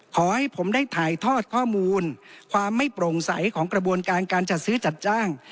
ขอให้ผมได้ถ่ายทอดข้อมูลความไม่โปร่งใสของกระบวนการการจัดซื้อจัดจ้าง